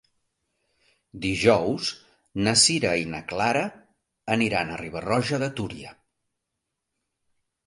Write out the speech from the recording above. Dijous na Sira i na Clara aniran a Riba-roja de Túria.